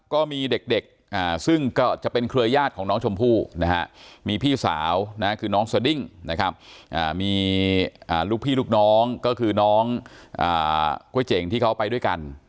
ก็มีเด็กซึ่งก็จะเป็นเครือญาติของน้องชมพู่มีพี่สาวคือน้องสดิ้งนะครับมีลูกพี่ลูกน้องก็คือน้องกล้วยเจ๋งที่เขาไปด้วยกัน